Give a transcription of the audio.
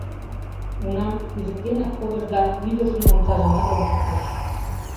Унам кӱзыктенак кодыш да ӱдыржын омсажымат ончыктыш.